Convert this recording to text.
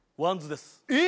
えっ！？